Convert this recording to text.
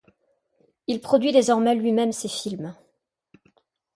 Il produit désormais lui-même ses films.